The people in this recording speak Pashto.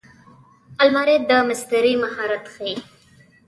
الماري د مستري مهارت ښيي